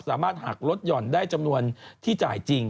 สามารถหักลดหย่อนได้จำนวนที่จ่ายจริง